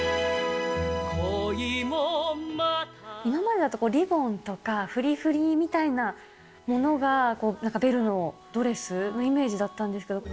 今までだとリボンとかふりふりみたいなものが、ベルのドレスのイメージだったんですけれども。